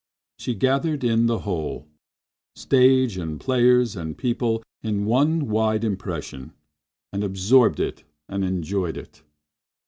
She gathered in the whole—stage and players and people in one wide impression, and absorbed it and enjoyed it.